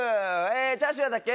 チャーシューだっけ？